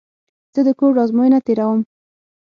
زه د کوډ ازموینه تېره ووم.